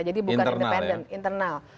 jadi bukan independen internal